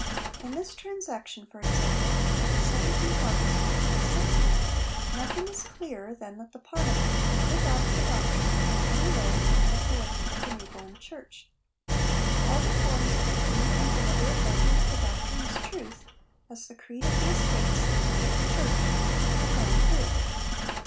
In this transaction, for example, of the 17th August 1560, nothing is clearer than that the Parliament did not adopt the doctrine in any way on the authority of the new born Church. All the forms of a free and deliberate voting of the doctrine as truth as the creed of the estates, not of the Church, were gone through.